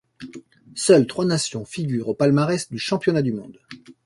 Seules trois nations figurent au palmarès du Championnat du monde.